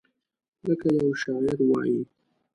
لکه یو شاعر وایي: